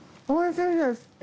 おいしいです。